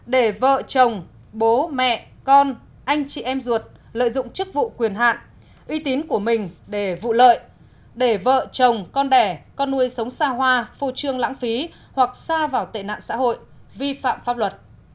để vợ chồng bố mẹ con anh chị em ruột lợi dụng chức vụ quyền hạn uy tín của mình để vụ lợi để vợ chồng con đẻ con nuôi sống xa hoa phô trương lãng phí hoặc xa vào tệ nạn xã hội vi phạm pháp luật